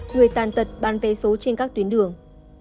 người tàn tật bán vé số trên các tuyến đường